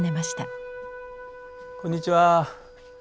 あっこんにちは。